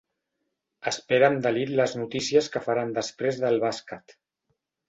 Espera amb delit les notícies que faran després del bàsquet.